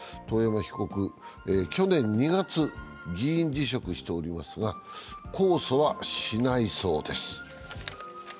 遠山被告、去年２月議員辞職しておりますが控訴はしないそうです。